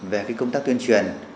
về công tác tuyên truyền